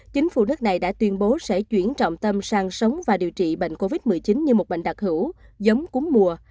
chính phủ nước này đã tuyên bố sẽ chuyển trọng tâm sang sống và điều trị bệnh covid một mươi chín như một bệnh đặc hữu giống cúm mùa